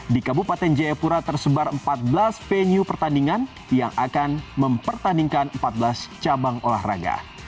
di kabupaten jayapura tersebar empat belas venue pertandingan yang akan mempertandingkan empat belas cabang olahraga